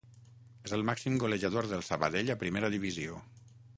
És el màxim golejador del Sabadell a primera divisió.